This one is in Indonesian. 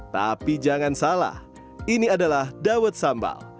tapi jangan salah ini adalah dawet sambal